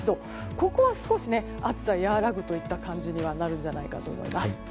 ここは少し暑さが和らぐそういう感じになるんじゃないかと思います。